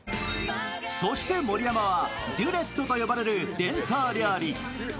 そして盛山は、デュレットと呼ばれる伝統料理。